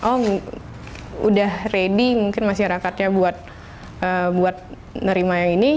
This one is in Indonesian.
oh udah ready mungkin masyarakatnya buat nerima yang ini